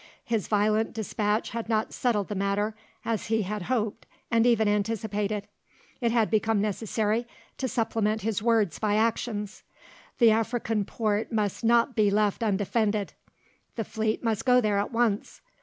His violent despatch had not settled the matter, as he had hoped and even anticipated; it had become necessary to supplement his words by actions. The African port must not be left undefended; the fleet must go there at once.